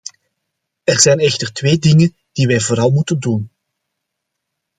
Er zijn echter twee dingen die wij vooral moeten doen.